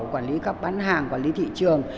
quản lý các bán hàng quản lý thị trường